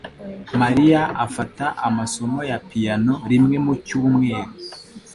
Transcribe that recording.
Maria afata amasomo ya piyano rimwe mu cyumweru.